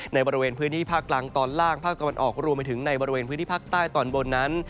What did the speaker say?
ในบริเวณพื้นที่ภาคกลางตอนล่างภาคตะวันออกรวมไปถึงในบริเวณพื้นที่ภาคใต้ตอนบนนั้น